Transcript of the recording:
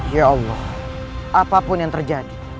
ya allah apapun yang terjadi